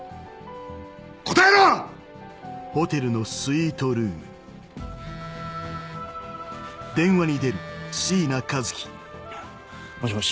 答えろ！もしもし。